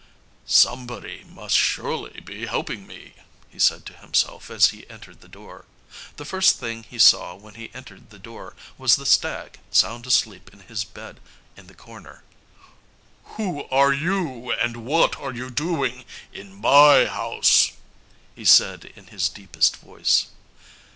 "Somebody must surely be helping me," he said to himself as he entered the door. The first thing he saw when he entered the door was the stag sound asleep in his bed in the corner. "Who are you and what are you doing in my house?" he said in his deepest voice.